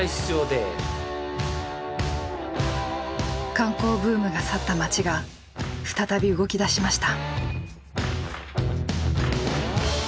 観光ブームが去った街が再び動きだしました。